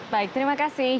baik terima kasih